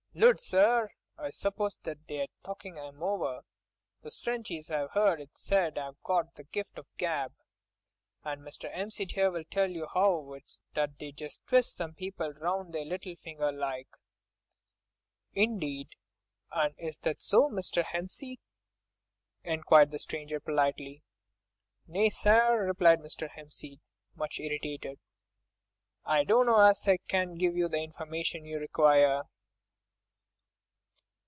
"Lud! sir, I suppose they talked 'im over. Those Frenchies, I've 'eard it said, 'ave got the gift of gab—and Mr. 'Empseed 'ere will tell you 'ow it is that they just twist some people round their little finger like." "Indeed, and is that so, Mr. Hempseed?" inquired the stranger politely. "Nay, sir!" replied Mr. Hempseed, much irritated, "I dunno as I can give you the information you require."